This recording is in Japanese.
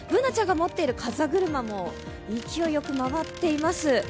Ｂｏｏｎａちゃんが持っている風車も勢いよく回っています。